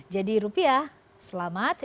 jadi rupiah selamat